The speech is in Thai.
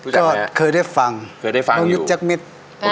ก็เคยได้ฟังมงฤทธิ์แจ๊กมิตร